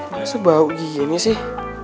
masa bau gini sih